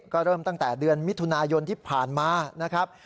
ก็เริ่มตั้งแต่เดือนมิถุนายนที่ผ่านมานะครับ